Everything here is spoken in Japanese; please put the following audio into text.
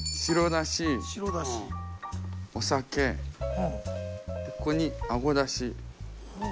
白だしお酒ここにあごだしで